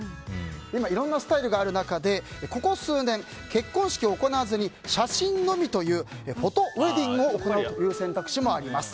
今、いろんなスタイルがる中でここ数年、結婚式を行わずに写真のみというフォトウェディングを行うという選択肢もあります。